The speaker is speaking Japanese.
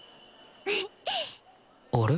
あれ？